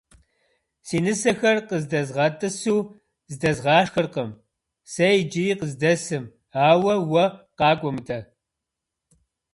Си нысэхэр къыздэзгъэтӏысу здэзгъашхэркъым сэ иджыри къыздэсым, ауэ уэ къакӏуэ мыдэ.